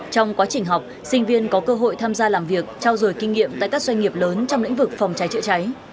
trong quá trình học sinh viên có cơ hội tham gia làm việc trao dồi kinh nghiệm tại các doanh nghiệp lớn trong lĩnh vực phòng cháy chữa cháy